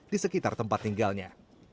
di sekitar tempat tinggalnya